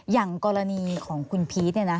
อย่างกรณีของคุณพีชเนี่ยนะ